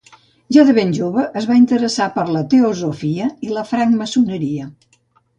Ja de ben jove es va interessar per la teosofia i la francmaçoneria.